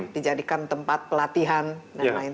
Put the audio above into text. dijadikan tempat pelatihan dan lain